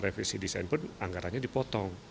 revisi desain pun anggarannya dipotong